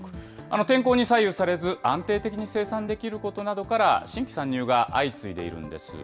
天候に左右されず、安定的に生産できることから、新規参入が相次いでいるんです。